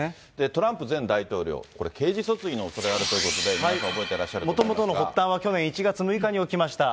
トランプ前大統領、これ、刑事訴追のおそれがあるということで、皆さん覚えてらっしゃるでもともとの発端は、去年１月６日に起きました。